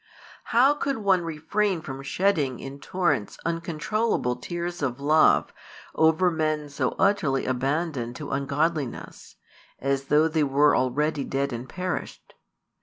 How could one refrain from shedding in torrents uncontrollable tears of love over men so utterly abandoned to ungodliness, as though they were already dead and perished?